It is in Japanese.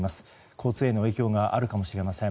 交通への影響があるかもしれません。